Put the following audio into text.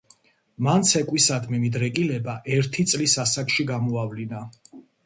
მან ცეკვისადმი მიდრეკილება ერთი წლის ასაკში გამოავლინა.